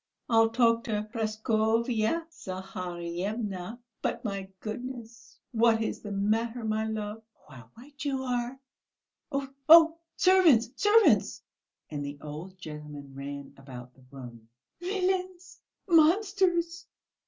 I'll talk to Praskovya Zaharyevna. But, my goodness, what is the matter, my love? Oh, how white you are! Oh, oh, servants, servants!" and the old gentleman ran about the room. "Villains! Monsters!"